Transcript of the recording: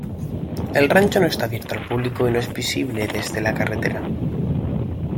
El Rancho no está abierto al público y no es visible desde la carretera.